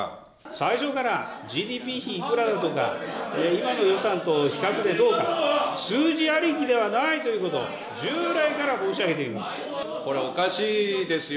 最初からＧＤＰ比いくらだとか、今の予算との比較でどうか、数字ありきではないということ、これ、おかしいですよ。